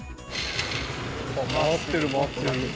ああ回ってる回ってる。